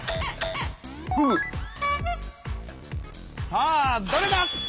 さあどれだ？